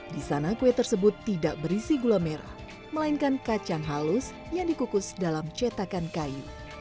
di sana kue tersebut tidak berisi gula merah melainkan kacang halus yang dikukus dalam cetakan kayu